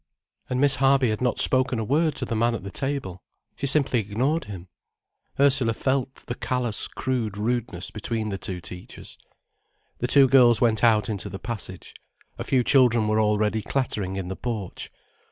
And Miss Harby had not spoken a word to the man at the table. She simply ignored him. Ursula felt the callous crude rudeness between the two teachers. The two girls went out into the passage. A few children were already clattering in the porch.